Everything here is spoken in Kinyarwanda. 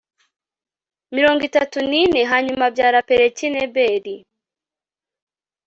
mirongo itatu n ine hanyuma abyara Pelegi n Eberi